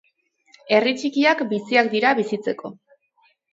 Herri txikiak biziak dira bizitzeko.